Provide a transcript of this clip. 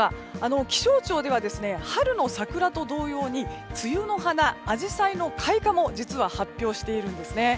気象庁では春の桜と同様に梅雨の花、アジサイの開花も実は発表しているんですね。